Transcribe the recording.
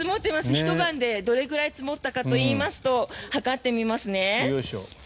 ひと晩でどれぐらい積もったかといいますと測ってみますね。